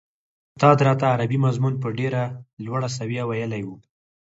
استاد راته عربي مضمون په ډېره لوړه سويه ويلی و.